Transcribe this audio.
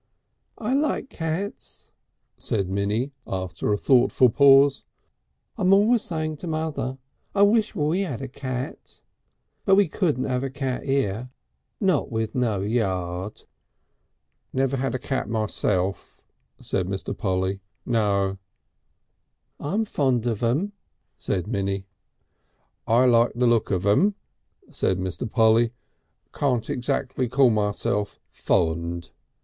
"I like cats," said Minnie after a thoughtful pause. "I'm always saying to mother, 'I wish we 'ad a cat.' But we couldn't 'ave a cat 'ere not with no yard." "Never had a cat myself," said Mr. Polly. "No!" "I'm fond of them," said Minnie. "I like the look of them," said Mr. Polly. "Can't exactly call myself fond."